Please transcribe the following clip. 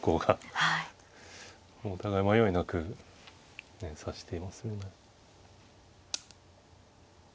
お互い迷いなく指していますよね。